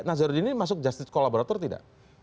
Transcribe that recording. tapi ya nazaruddin ini masuk justice collaborator tidak